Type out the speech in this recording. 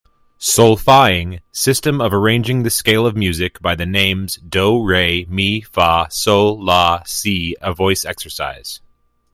Solfaing system of arranging the scale of music by the names do, re, mi, fa, sol, la, si a voice exercise.